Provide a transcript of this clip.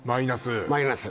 マイナス？